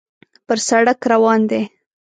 پر سړک روان دی.